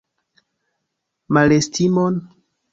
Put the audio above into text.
Malestimon?